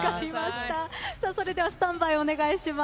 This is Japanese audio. それではスタンバイお願いします。